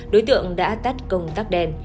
đối tượng đã tắt công tắc đèn